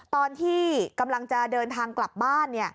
ตอนที่กำลังจะเดินทางกลับบ้าน